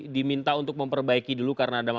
diminta untuk memperbaiki dulu karena ada masalah